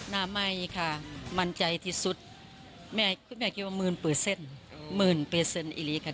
หน้าไหม้ค่ะมั่นใจที่สุดแม่คุณแม่คิดว่าหมื่นเปอร์เซ็นต์หมื่นเปอร์เซ็นต์อิลีค่ะ